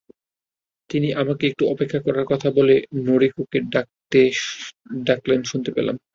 তিনি আমাকে একটু অপেক্ষা করার কথা বলে নোরিকোকে ডাকলেন শুনতে পেলাম।